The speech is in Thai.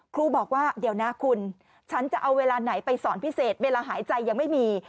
ครูบอกว่าเดี๋ยวนะคุณฉันจะเอาเวลาไหนไปสอนพิเศษเวลาหายใจยังไม่มี